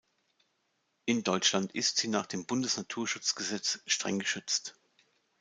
In Deutschland ist sie nach dem Bundesnaturschutzgesetz streng geschützt.